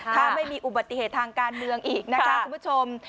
ถ้าไม่มีอุบัติเหตุทางการเมืองอีกนะคะคุณผู้ชม